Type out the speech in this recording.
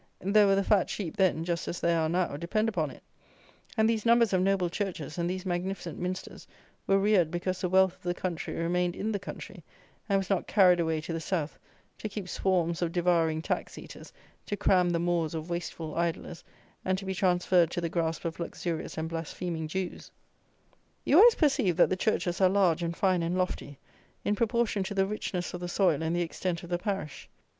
There were the fat sheep then, just as there are now, depend upon it; and these numbers of noble churches, and these magnificent minsters, were reared because the wealth of the country remained in the country, and was not carried away to the south, to keep swarms of devouring tax eaters, to cram the maws of wasteful idlers, and to be transferred to the grasp of luxurious and blaspheming Jews. You always perceive that the churches are large and fine and lofty, in proportion to the richness of the soil and the extent of the parish.